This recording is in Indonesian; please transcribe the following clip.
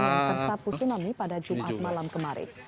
yang tersapu tsunami pada jumat malam kemarin